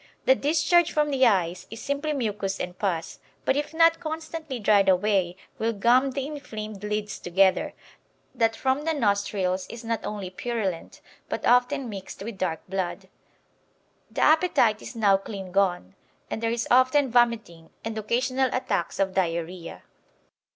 The discharge from the eyes is simply mucus and pus, but if not constantly dried away will gum the inflamed lids together, that from the nostrils is not only purulent, but often mixed with dark blood. The appetite is now clean gone, and there is often vomiting and occasional attacks of diarrhoea.